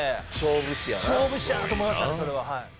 勝負師やなと思いましたね。